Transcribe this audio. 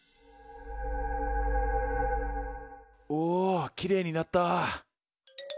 おきれいになった。